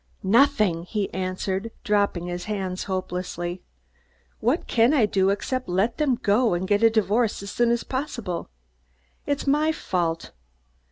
"Nothing!" he answered, dropping his hands hopelessly. "What can I do, except let them go and get a divorce as soon as possible? It's my fault.